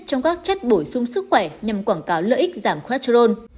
trong các chất bổ sung sức khỏe nhằm quảng cáo lợi ích giảm cale